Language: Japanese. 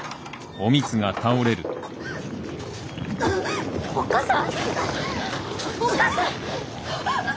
おっ母さん！